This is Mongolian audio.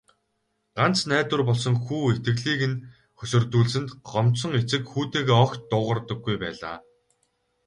Ганц найдвар болсон хүү итгэлийг нь хөсөрдүүлсэнд гомдсон эцэг хүүтэйгээ огт дуугардаггүй байлаа.